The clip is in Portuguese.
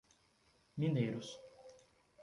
Mineiros